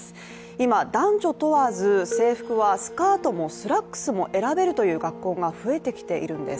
今、男女問わず制服はスカートもスラックスも選べるという学校が増えてきているんです。